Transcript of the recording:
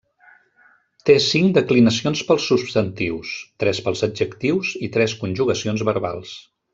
Té cinc declinacions pels substantius: tres pels adjectius i tres conjugacions verbals.